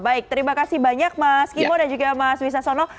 baik terima kasih banyak mas kimo dan juga mas wisasono